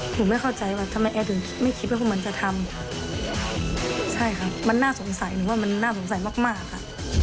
หนูไม่เข้าใจว่าทำไมแอร์ถึงไม่คิดว่าพวกมันจะทำใช่ค่ะมันน่าสงสัยหนูว่ามันน่าสงสัยมากมากค่ะ